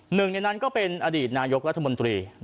หนึ่งในนั้นก็เป็นอดีตนายกรัฐมนตรี